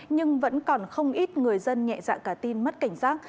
nhưng vẫn còn không ít người dân nhẹ dạ cả tin mất cảnh giác